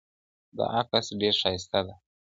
دا عکس ډېره ښایسته ده.